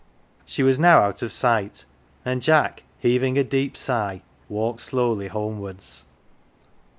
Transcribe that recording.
She was now out of sight, and Jack, heaving a deep sigh, walked slowly homewards.